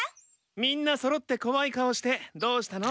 みんなそろってこわい顔してどうしたの？